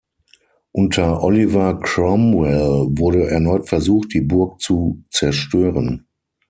Unter Oliver Cromwell wurde erneut versucht, die Burg zu zerstören.